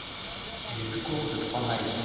Il est plus court que trois miles.